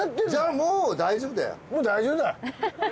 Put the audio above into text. もう大丈夫だよ。